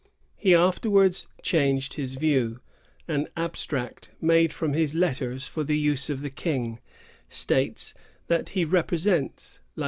He afterwards changed his views. An abstract made from his letters for the use of the King states that he "represents, like M.